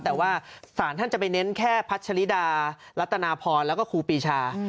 แต่ว่าศาลท่านจะไปเน้นแค่พัชริดารัตนาพรแล้วก็ครูปีชา